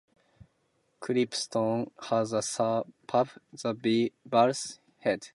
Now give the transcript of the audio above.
Clipston has a pub The Bull's Head.